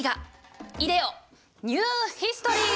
いでよニューヒストリー！